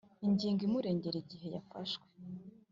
Ingingo imurengera Igihe yafashwe.